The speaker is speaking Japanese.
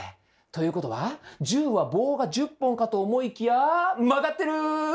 ということは１０は棒が１０本かと思いきや曲がってる！